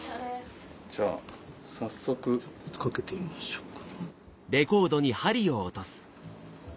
じゃあ早速かけてみましょうか。